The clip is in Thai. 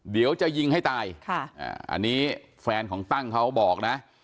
เดี๋ยวจะยิงให้ตายอันนี้แฟนของตั้งเขาบอกนะ